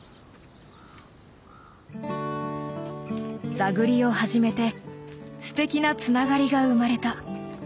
座繰りを始めてすてきなつながりが生まれた。